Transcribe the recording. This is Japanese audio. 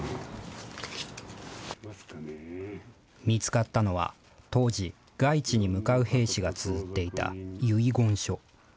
見つかったのは、当時、外地に向かう兵士がつづっていた遺言書。